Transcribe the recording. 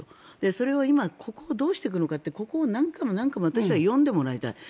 それを今ここをどうしていくかってここを何回も何回も私は読んでもらいたい。